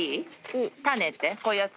こういうやつ。